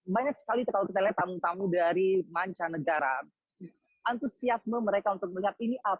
banyak sekali kalau kita lihat tamu tamu dari mancanegara antusiasme mereka untuk melihat ini apa